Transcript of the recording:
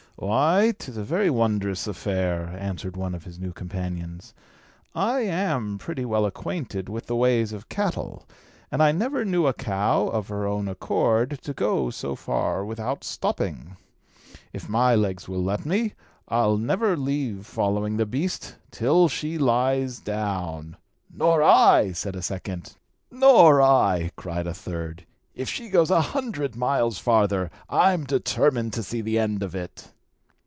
"Why, 'tis a very wonderful affair," answered one of his new companions. "I am pretty well acquainted with the ways of cattle, and I never knew a cow, of her own accord, to go so far without stopping. If my legs will let me, I'll never leave following the beast till she lies down." "Nor I!" said a second. "Nor I!" cried a third. "If she goes a hundred miles farther, I'm determined to see the end of it."